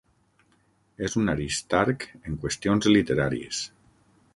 És un aristarc en qüestions literàries.